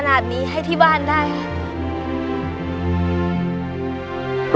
หนูรู้สึกดีมากเลยค่ะ